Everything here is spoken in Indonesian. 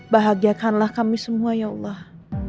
bahagiakanlah kami semua ya allah